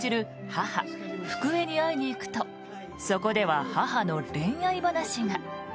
母・福江に会いに行くとそこでは母の恋愛話が。